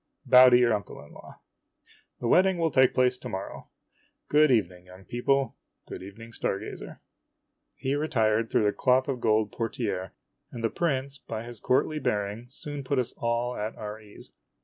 Bow to your uncle in law. The wedding will take place to morrow. Good evening, young people. Good evening, star gazer." He retired through the cloth of gold portiere, and the prince, by his courtly bearing, soon put us all at our ease.